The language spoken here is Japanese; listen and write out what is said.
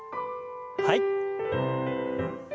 はい。